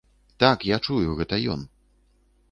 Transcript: Так, я чую, гэта ён.